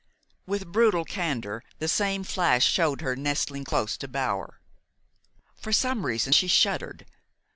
With brutal candor, the same flash showed her nestling close to Bower. For some reason, she shuddered.